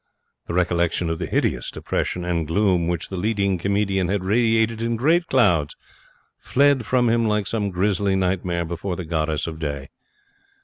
The recollection of the hideous depression and gloom which the leading comedian had radiated in great clouds fled from him like some grisly nightmare before the goddess of day.